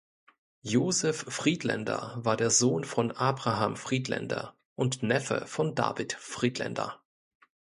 Joseph Friedländer war der Sohn von Abraham Friedländer und Neffe von David Friedländer.